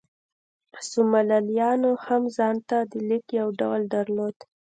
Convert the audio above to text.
سومالیایانو هم ځان ته د لیک یو ډول درلود.